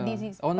di si pemiliknya